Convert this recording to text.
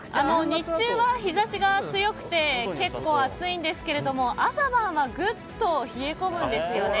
日中は日差しが強くて結構暑いんですけど朝晩はぐっと冷え込むんですよね。